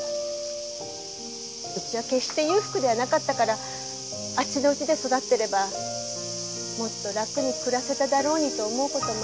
うちは決して裕福ではなかったからあっちの家で育ってればもっと楽に暮らせただろうにと思う事もあって。